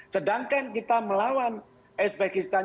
sedangkan kita melawan uzbekistan